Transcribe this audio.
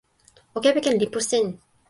o kepeken lipu sin.